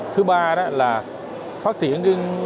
thứ ba là phát triển